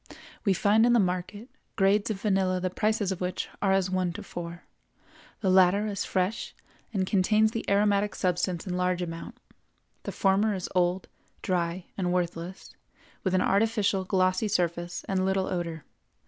We find in the market, grades of vanilla the prices of which are as one to four; the latter is fresh and contains the aromatic substance in large amount; the former is old, dry, and worthless, with an artificial glossy surface and little odor.